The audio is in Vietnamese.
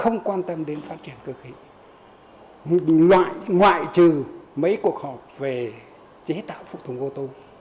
ngoại trừ mấy cuộc họp về chế tạo phục thủng vô tù